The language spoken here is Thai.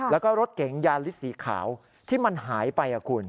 แล้วก็รถเก๋งยาลิสสีขาวที่มันหายไปคุณ